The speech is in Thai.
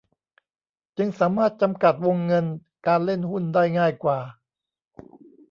จึงสามารถจำกัดวงเงินการเล่นหุ้นได้ง่ายกว่า